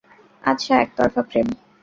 আচ্ছা, একতরফা প্রেম!